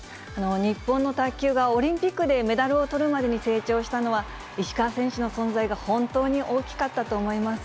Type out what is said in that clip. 日本の卓球がオリンピックでメダルを取るまでに成長したのは、石川選手の存在が本当に大きかったと思います。